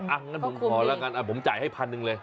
งั้นผมขอแล้วกันผมจ่ายให้พันหนึ่งเลย